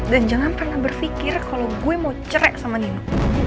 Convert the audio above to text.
dan jangan pernah berpikir kalo gue mau carek sama nino